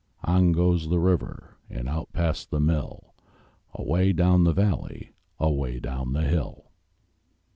On goes the river And out past the mill, Away down the valley, Away down the hill.